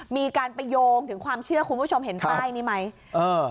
มีการไปโยงถึงความเชื่อคุณผู้ชมเห็นป้ายนี้ไหมเออ